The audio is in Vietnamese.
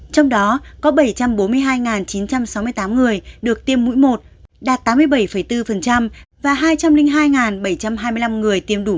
trong đó có bảy trăm bốn mươi hai chín trăm sáu mươi tám người được tiêm mũi một đạt tám mươi bảy bốn và hai trăm linh hai bảy trăm hai mươi năm người tiêm đủ mũi hai đạt hai mươi ba tám mươi bốn dân số trên một mươi tám tuổi